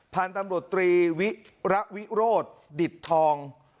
๒พาลตำรวจตรีวิระวิโรธดิดทอง